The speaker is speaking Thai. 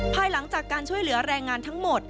ภายหลังจากการช่วยเหลือแรงงานทั้งหมด